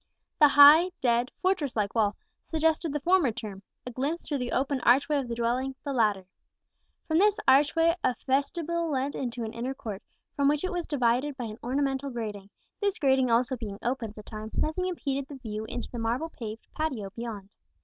The high, dead, fortress like wall, suggested the former term; a glimpse through the open archway of the dwelling, the latter. From this archway a vestibule led into an inner court, from which it was divided by an ornamental grating; this grating also being open at the time, nothing impeded the view into the marble paved patio beyond.